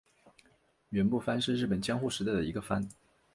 园部藩是日本江户时代的一个藩。